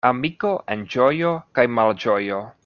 Amiko en ĝojo kaj malĝojo.